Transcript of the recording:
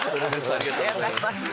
ありがとうございます。